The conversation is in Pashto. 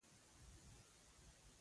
ټول مثبت اړخونه تر پوښتنې لاندې راوستل.